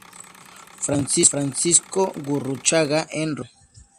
Francisco Gurruchaga en Rosario.